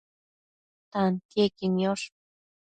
tantiequi niosh